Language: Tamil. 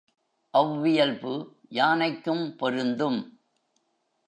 அவ்வியல்பு யானைக்கும் பொருந்தும்.